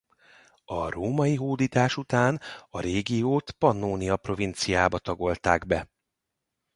A római hódítás után a régiót Pannonia provinciába tagolták be.